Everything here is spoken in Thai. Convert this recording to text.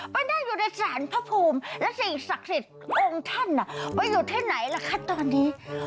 ไปนั่งอยู่ในสารพระภูมิและสิ่งศักดิ์สิทธิ์องค์ท่านไปอยู่ที่ไหนล่ะคะตอนนี้